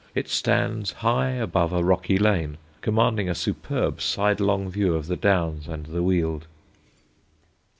It stands high above a rocky lane, commanding a superb sidelong view of the Downs and the Weald.